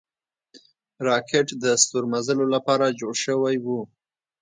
راکټ د ستورمزلو له پاره جوړ شوی و